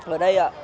ở đây ạ